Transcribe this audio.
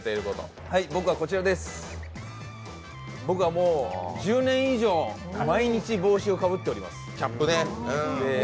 僕は１０年以上、毎日帽子をかぶっております。